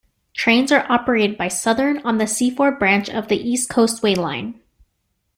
Trains are operated by Southern on the Seaford Branch of the East Coastway Line.